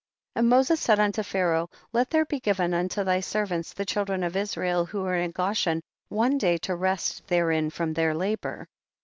44. And Moses said unto Pharaoh, let there be given unto thy servants the children of Israel who are in Goshen, one day to rest therein from their labor.